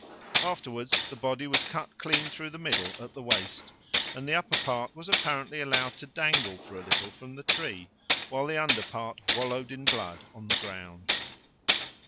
Afterwards the body was cut clean through the middle at the waist, and the upper part was apparently allowed to dangle for a little from the tree, while the under part wallowed in blood on the ground.